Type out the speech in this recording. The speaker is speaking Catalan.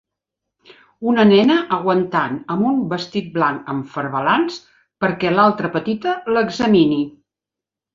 Una nena aguantant amb un vestit blanc amb farbalans perquè l'altra petita l'examini.